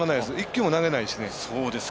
１球も投げないしね。